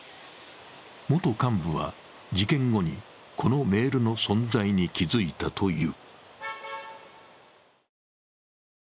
元幹部は、事件後にこのメールの存在に気付いたという。